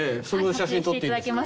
そこで写真撮って？